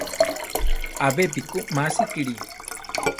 Abepi ku másikere.